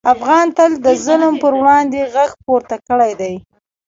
افغان تل د ظلم پر وړاندې غږ پورته کړی دی.